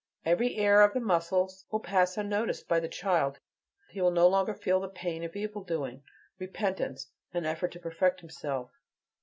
Every error of the muscles will pass unnoticed by the child: he will no longer feel the pain of evil doing, repentance, an effort to perfect himself.